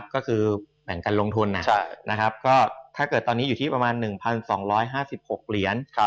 ก็คือแบ่งกันลงทุนก็ถ้าเกิดตอนนี้อยู่ที่ประมาณ๑๒๕๖เหรียญ